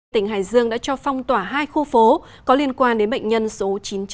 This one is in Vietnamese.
tỉnh hải dương đã cho phong tỏa hai khu phố có liên quan đến bệnh nhân số chín trăm chín mươi